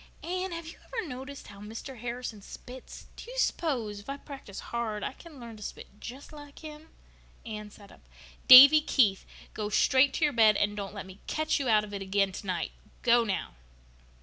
"Anne, have you ever noticed how Mr. Harrison spits? Do you s'pose, if I practice hard, I can learn to spit just like him?" Anne sat up. "Davy Keith," she said, "go straight to your bed and don't let me catch you out of it again tonight! Go, now!"